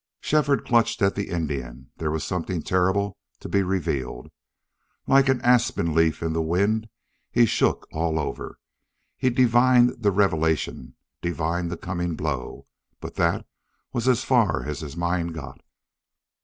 Shefford clutched at the Indian. There was something terrible to be revealed. Like an aspen leaf in the wind he shook all over. He divined the revelation divined the coming blow but that was as far as his mind got.